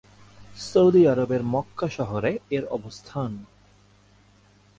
Saudi আরবের Mecca শহরে এর অবস্থান।